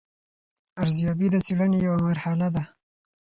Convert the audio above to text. ارزیابي د څېړنې یوه مرحله ده.